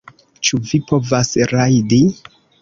Ĉu vi povas rajdi?